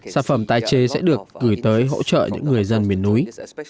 sản phẩm tái chế sẽ được gửi tới hỗ trợ những người dân miền núi